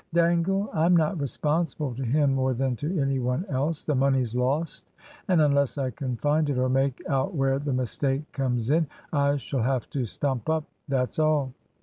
"Dangle? I'm not responsible to him more than to any one else. The money's lost; and unless I can find it or make out where the mistake comes in, I shall have to stump up that's all."